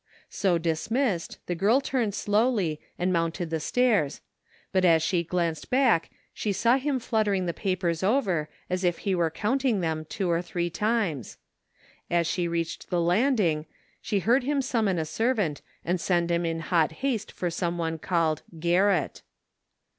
So dismissed, the girl timied slowly and mounted the stairs, but as she glanced back she saw him flutter ing the papers over as if he were counting them two or three times. As she reached the landing she heard him summon a servant and send him in hot haste for someone named " Garrett."